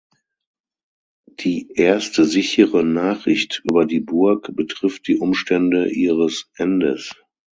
Die erste sichere Nachricht über die Burg betrifft die Umstände ihres Endes.